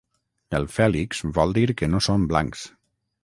El Fèlix vol dir que no són blancs.